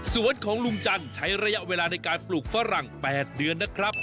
ส่วนของลุงจันทร์ใช้ระยะเวลาในการปลูกฝรั่ง๘เดือนนะครับ